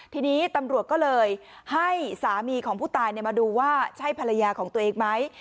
ทีนี้ตำรวจก็เลยให้สามีของผู้ตายมาดูว่าใช่ภรรยาของตัวเองไหม